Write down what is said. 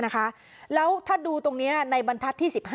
แล้วถ้าดูตรงนี้ในบรรทัศน์ที่๑๕